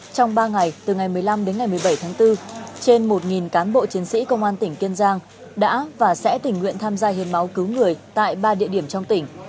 trong ba ngày từ ngày một mươi năm đến ngày một mươi bảy tháng bốn trên một cán bộ chiến sĩ công an tỉnh kiên giang đã và sẽ tình nguyện tham gia hiến máu cứu người tại ba địa điểm trong tỉnh